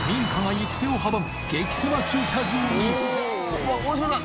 うわっ大島さん。